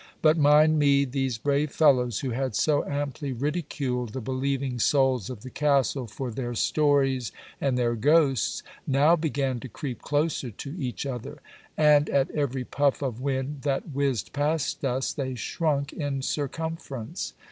But, mind me: these brave fellows, who had so amply ridiculed the believing souls of the castle for their stories and their ghosts, now began to creep closer to each other. And at every puff of wind that whizzed past us, they shrunk in circumference.